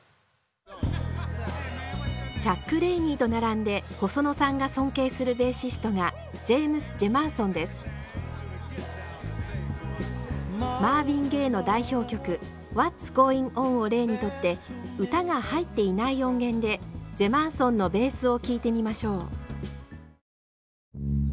チャック・レイニーと並んで細野さんが尊敬するベーシストがマーヴィン・ゲイの代表曲「Ｗｈａｔ’ｓＧｏｉｎ’Ｏｎ」を例にとって歌が入っていない音源でジェマーソンのベースを聴いてみましょう。